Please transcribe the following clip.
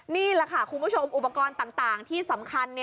นี่แหละค่ะคุณผู้ชมอุปกรณ์ต่างที่สำคัญ